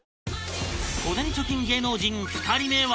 小銭貯金芸能人２人目は